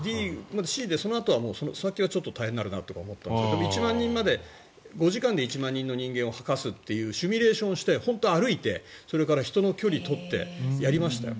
Ｃで、その先はちょっと大変になるなと思ったんですけど５時間で１万人の人間をはかすというシミュレーションをして本当に歩いて人の距離を取ってやりましたよ。